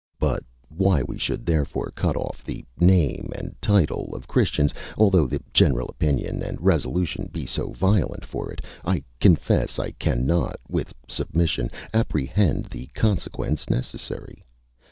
But why we should therefore cut off the name and title of Christians, although the general opinion and resolution be so violent for it, I confess I cannot (with submission) apprehend the consequence necessary.